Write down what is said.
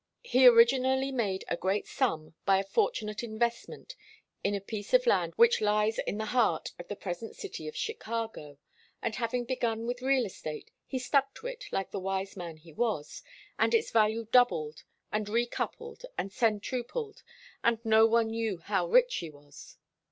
He originally made a great sum by a fortunate investment in a piece of land which lies in the heart of the present city of Chicago, and having begun with real estate he stuck to it like the wise man he was, and its value doubled and decupled and centupled, and no one knew how rich he was.